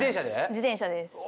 自転車です。